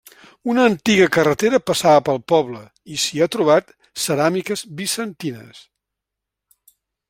Una antiga carretera passava pel poble, i s'hi ha trobat ceràmiques bizantines.